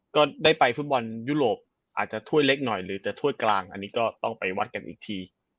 ก็ได้ไปฟุตบอลยุโรปอาจจะถ้วยเล็กหน่อยหรือจะถ้วยกลางอันนี้ก็ต้องไปวัดกันอีกที